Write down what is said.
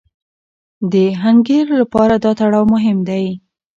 د حنکير لپاره دا تړاو مهم دی.